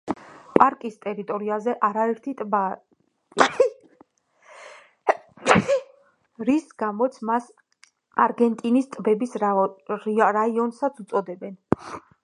პარკის ტერიტორიაზე არაერთი ტბაა, რის გამოც მას არგენტინის ტბების რაიონსაც უწოდებენ.